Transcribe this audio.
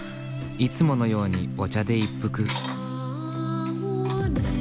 いつものようにお茶で一服。